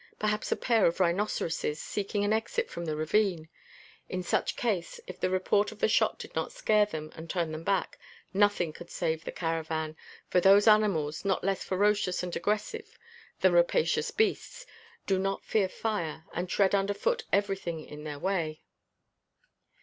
Perhaps a pair of rhinoceroses seeking an exit from the ravine? In such case if the report of the shot did not scare them and turn them back, nothing could save the caravan, for those animals, not less ferocious and aggressive than rapacious beasts, do not fear fire and tread under foot everything in their way.